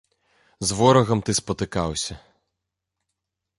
З ворагам ты спатыкаўся.